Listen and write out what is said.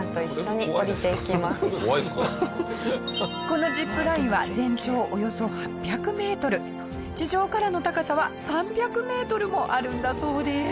このジップラインは全長およそ８００メートル地上からの高さは３００メートルもあるんだそうです。